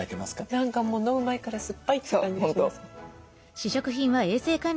何かもう飲む前から酸っぱいって感じがします。